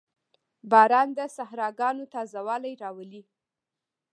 • باران د صحراګانو تازهوالی راولي.